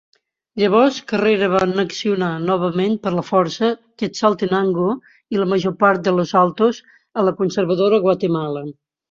Llavors, Carrera va annexionar novament per la força Quetzaltenango i la major part de Los Altos a la conservadora Guatemala.